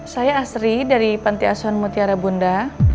saya asri dari panti asuhan mutiara bunda